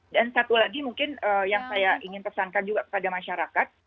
dan satu lagi mungkin yang saya ingin pesankan juga kepada masyarakat